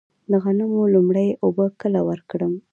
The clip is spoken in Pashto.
د غنمو لومړۍ اوبه کله ورکړم؟